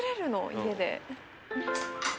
家で？